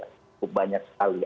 cukup banyak sekali